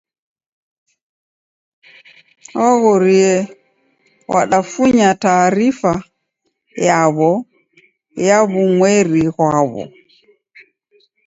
W'aghorie w'endafunya taarifa yaw'o ya w'umweri ghwaw'o.